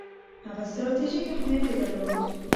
هغه ستراتیژیک اهمیت یې درلود.